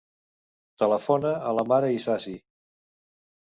Telefona a la Mara Isasi.